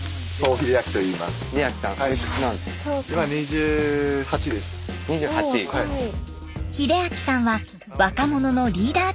秀明さんは若者のリーダー的存在。